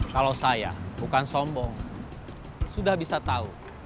kalau saya bukan sombong sudah bisa tahu